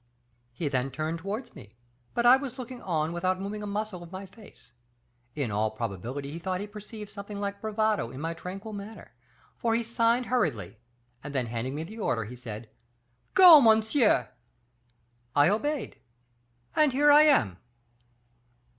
He then turned towards me; but I was looking on without moving a muscle of my face. In all probability he thought he perceived something like bravado in my tranquil manner, for he signed hurriedly, and then handing me the order, he said, 'Go, monsieur!' I obeyed; and here I am."